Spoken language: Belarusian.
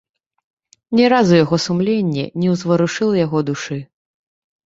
Ні разу яго сумленне не ўзварушвала яго душы.